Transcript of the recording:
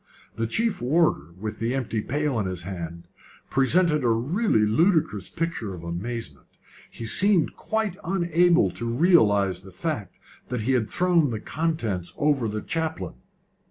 The chief warder, with the empty pail in his hand, presented a really ludicrous picture of amazement. He seemed quite unable to realise the fact that he had thrown the contents over the chaplain.